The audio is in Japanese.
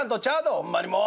ほんまにもう！